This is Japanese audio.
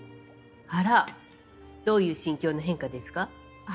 あらどういう心境の変化ですか？